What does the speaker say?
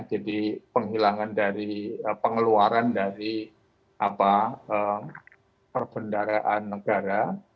jadi pengeluaran dari perbendaraan negara